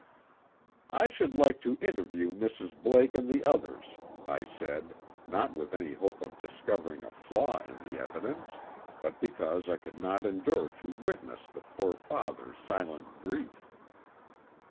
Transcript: "I should like to interview Mrs. Blake and the others," I said, not with any hope of discovering a flaw in the evidence, but because I could not endure to witness the poor father's silent grief.